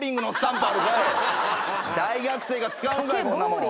大学生が使うんかいこんなもん。